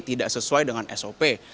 tidak sesuai dengan sop